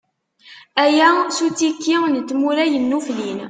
Aya, s uttiki n tmura yennuflin.